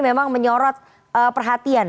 memang menyorot perhatian ya